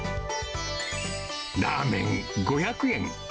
ラーメン５００円。